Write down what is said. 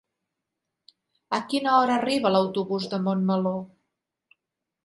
A quina hora arriba l'autobús de Montmeló?